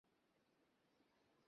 সে কেটে দিয়েছে।